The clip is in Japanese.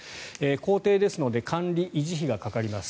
公邸ですので管理維持費がかかります。